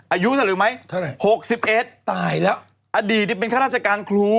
อายุเท่าไหร่ไหมเท่าไหร่๖๑ตายแล้วอดีตนี่เป็นข้าราชการครู